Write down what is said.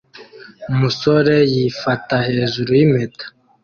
umusore yifata hejuru yimpeta